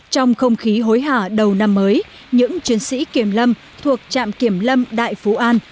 trong không khí hối hả đầu năm mới những chiến sĩ kiểm lâm thuộc trạm kiểm lâm đại phú an